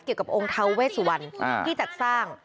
เกี่ยวกับองค์ท้าเวสวันที่จัดสร้าง